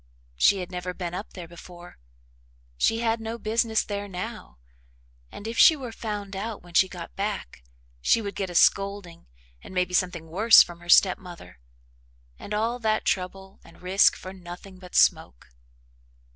She had never been up there before. She had no business there now, and, if she were found out when she got back, she would get a scolding and maybe something worse from her step mother and all that trouble and risk for nothing but smoke.